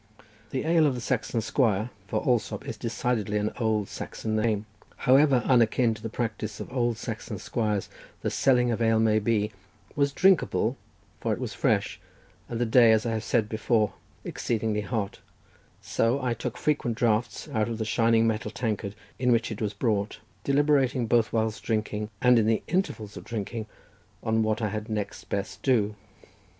The ale of the Saxon squire, for Allsopp is decidedly an old Saxon name, however unakin to the practice of old Saxon squires the selling of ale may be, was drinkable, for it was fresh, and the day, as I have said before, exceedingly hot; so I took frequent draughts out of the shining metal tankard in which it was brought, deliberating both whilst drinking, and in the intervals of drinking, on what I had next best do.